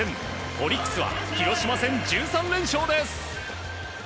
オリックスは広島戦１３連勝です。